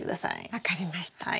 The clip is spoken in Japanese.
分かりました。